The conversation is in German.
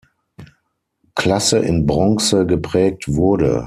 Klasse in Bronze geprägt wurde.